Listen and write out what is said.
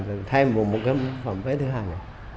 chất lượng cái phần phế thứ hai này